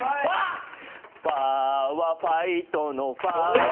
ファはファイトのファ。